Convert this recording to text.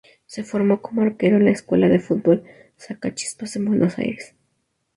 Se formó como arquero en la Escuela de Fútbol Sacachispas en Buenos Aires.